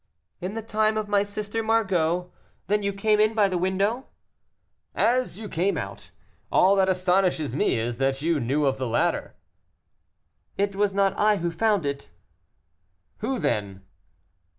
"In the time of my sister Margot. Then you came in by the window?" "As you came out. All that astonishes me is, that you knew of the ladder." "It was not I who found it." "Who then?"